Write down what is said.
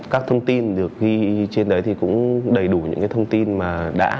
các thông tin được ghi trên đấy thì cũng đầy đủ những cái thông tin mà đã